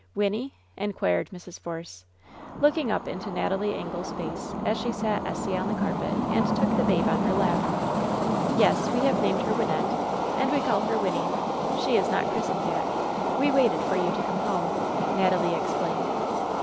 ^Wynnie?" inquired Mrs. Force, looking up into ]!Tatalie Ingle's face, as she sat Essie on the carpet and took the babe on her lap. "Yes, we have named her Wynnette, and we call her Wynnie. S^e is not christened yet. We waited for you to come home," Natalie explained.